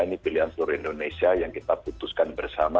ini pilihan seluruh indonesia yang kita putuskan bersama